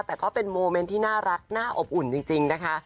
แต่ก็เป็นโมเมนต์ที่น่ารักน่าอบอุ่นจริงนะคะ